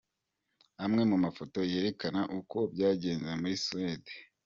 Amwe mu mafoto yerekana uko byagenze muri Suède.